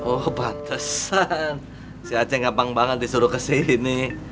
oh batasan si aceh gampang banget disuruh kesini